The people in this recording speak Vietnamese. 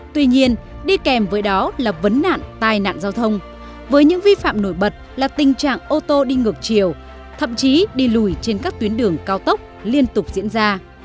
tuy nhiên đi kèm với đó là vấn nạn tai nạn giao thông với những vi phạm nổi bật là tình trạng ô tô đi ngược chiều thậm chí đi lùi trên các tuyến đường cao tốc liên tục diễn ra